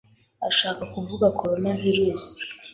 ashaka kuvuga Corona virus